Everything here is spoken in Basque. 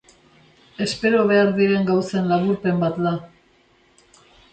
Espero behar diren gauzen laburpen bat da.